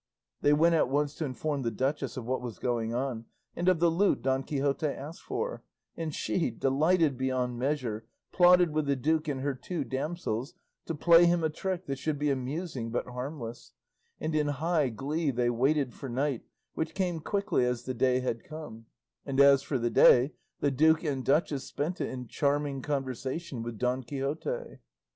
They went at once to inform the duchess of what was going on, and of the lute Don Quixote asked for, and she, delighted beyond measure, plotted with the duke and her two damsels to play him a trick that should be amusing but harmless; and in high glee they waited for night, which came quickly as the day had come; and as for the day, the duke and duchess spent it in charming conversation with Don Quixote.